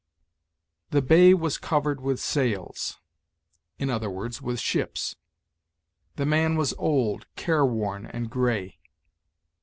"The bay was covered with sails"; i. e., with ships. "The man was old, careworn, and gray"; i.